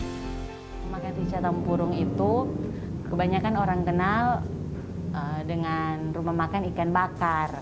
rahang tuna bakar ricah dan nasi goreng ricah tampurung menjadi menu yang paling sering dipesan oleh pelanggan